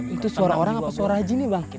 itu suara orang apa suara haji nih bang